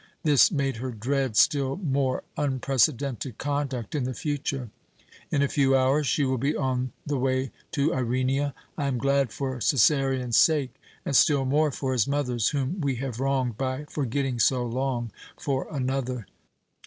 This made her dread still more unprecedented conduct in the future. In a few hours she will be on the way to Irenia. I am glad for Cæsarion's sake, and still more for his mother's, whom we have wronged by forgetting so long for another."